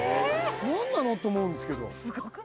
何なのって思うんですけどすごくない？